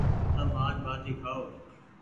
تم آج ٻآٽي کآيو ۔